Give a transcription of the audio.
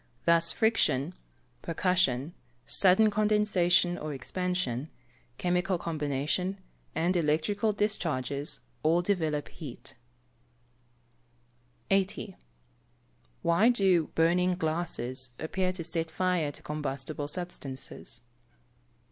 Thus friction, percussion, sudden condensation or expansion, chemical combination, and electrical discharges, all develope heat. 80. _Why do "burning glasses" appear to set fire to combustible substances?